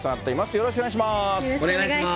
よろしくお願いします。